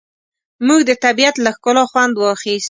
موږ د طبیعت له ښکلا خوند واخیست.